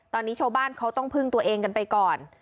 ตอนนี้ชาวบ้านเขาต้องพึ่งตัวเองกันไปก่อน